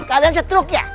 kalian setruk ya